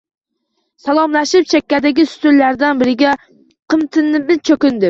Salomlashib, chekkadagi stullardan biriga qimtinibgina cho‘kdim